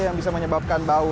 yang bisa menyebabkan bau